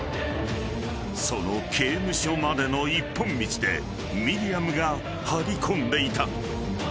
［その刑務所までの一本道でミリアムが張り込んでいた］